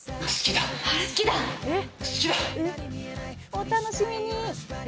お楽しみに。